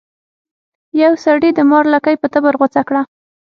یو سړي د مار لکۍ په تبر غوڅه کړه.